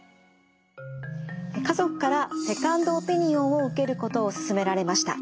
「家族からセカンドオピニオンを受けることを勧められました。